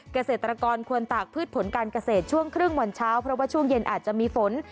เกษตรกรควรตากพืชผลการเกษตรช่วงครึ่งวันเช้าเพราะว่าช่วงเย็นอาจจะมีฝน